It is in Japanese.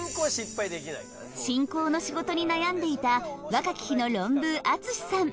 進行の仕事に悩んでいた若き日のロンブー淳さん。